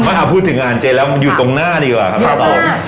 เอ่อครับพูดถึงร้านเจะแล้วมันอยู่ตรงหน้าดีกว่าครับครับผม